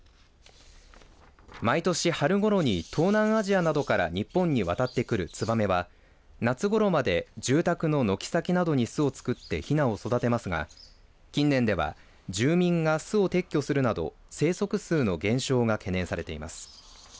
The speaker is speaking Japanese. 毎年春ごろに東南アジアなどから日本に渡ってくるツバメは夏ごろまで住宅の軒先などに巣を作ってひなを育てますが近年では住民が巣を撤去するなど生息数の減少が懸念されています。